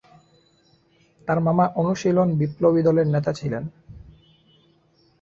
তার মামা অনুশীলন বিপ্লবী দলের নেতা ছিলেন।